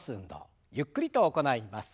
ゆっくりと行います。